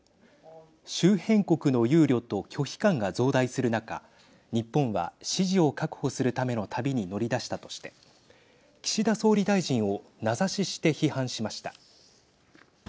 周辺国の憂慮と拒否感が増大する中日本は支持を確保するための旅に乗り出したとして岸田総理大臣を名指しして批判しました。